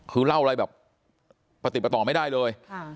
คือเล่าอะไรแบบปฏิปต่อไม่ได้เลย